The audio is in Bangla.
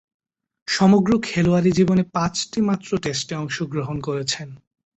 সমগ্র খেলোয়াড়ী জীবনে পাঁচটিমাত্র টেস্টে অংশগ্রহণ করেছেন।